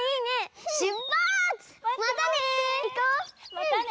またね！